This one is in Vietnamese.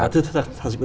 thưa thạc sĩ